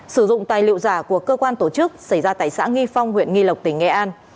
sử dụng tài liệu giả của cơ quan tổ chức xảy ra tại xã nghi phong huyện nghi lộc tỉnh nghệ an